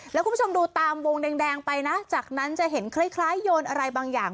แล้วคุณผู้ชมดูตามวงแดงไปนะจากนั้นจะเห็นคล้ายโยนอะไรบางอย่าง